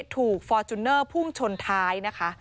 ฟอร์จูเนอร์พุ่งชนท้ายนะคะ